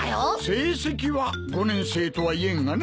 成績は５年生とは言えんがな。